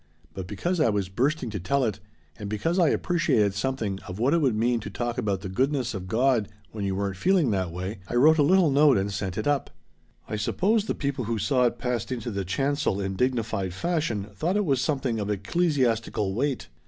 But because I was bursting to tell it, and because I appreciated something of what it would mean to talk about the goodness of God when you weren't feeling that way, I wrote a little note and sent it up. I suppose the people who saw it passed into the chancel in dignified fashion thought it was something of ecclesiastical weight.